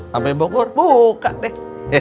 sampai bogor buka deh